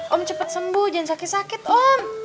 om cepat sembuh jangan sakit sakit om